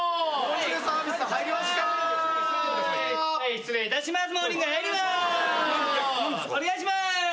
お願いします！